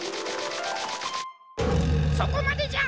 そこまでじゃ！